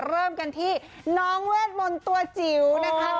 เริ่มกันที่น้องเวทมนต์ตัวจิ๋วนะคะ